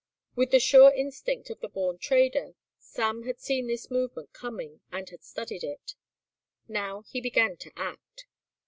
With the sure instinct of the born trader Sam had seen this movement coming and had studied it. Now he began to act.